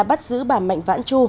bắt giữ bà mạnh vãn chu